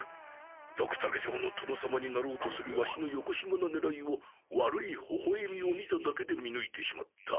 ドクタケ城の殿様になろうとするワシのよこしまなねらいを悪いほほえみを見ただけでみぬいてしまった。